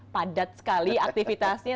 padat sekali aktivitasnya